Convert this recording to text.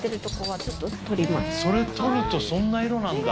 それ取るとそんな色なんだ。